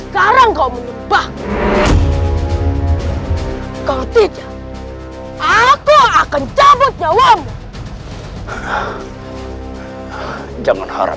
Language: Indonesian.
kau sudah bosan hidup